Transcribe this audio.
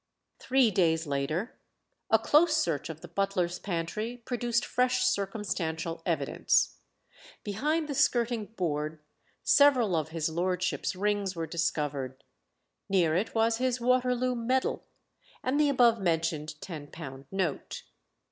Three days later a close search of the butler's pantry produced fresh circumstantial evidence. Behind the skirting board several of his lordship's rings were discovered; near it was his Waterloo medal, and the above mentioned ten pound note.